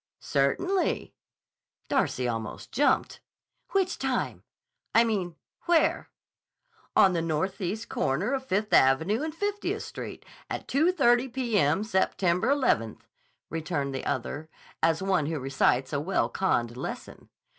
"Certainly." Darcy almost jumped. "Which time? I mean, where?" "On the northeast corner of Fifth Avenue and Fiftieth Street, at 2.30 p.m. September 11th," returned the other, as one who recites a well conned lesson.